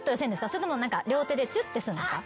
それとも両手でチュってするんですか？